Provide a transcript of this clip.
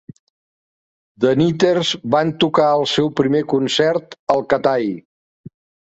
The Knitters van tocar el seu primer concert al Cathay.